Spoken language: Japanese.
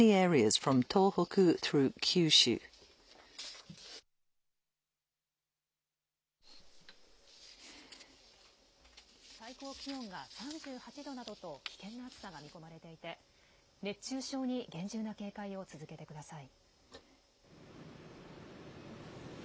あすも関東や東海で最高気温が３８度などと危険な暑さが見込まれていて、熱中症に厳重な警戒を続けてください。